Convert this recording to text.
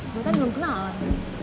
gue kan belum kenal